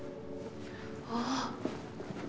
ああ。